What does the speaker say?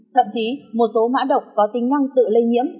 thậm chí một số mã độc có tính năng tự lây nhiễm